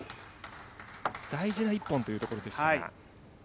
大事な一本というところでしたが。